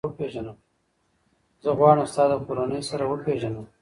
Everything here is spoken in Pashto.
زه غواړم ستا له کورنۍ سره وپېژنم.